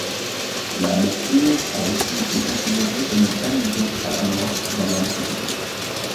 La morsure a aussi été considérée comme une allusion à la mort d'Alan Turing.